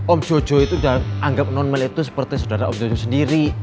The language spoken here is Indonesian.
om jojo itu udah anggap non mel itu seperti saudara om jojo sendiri